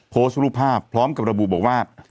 โพสต์รูปภาพพร้อมกับระบุบอกว่า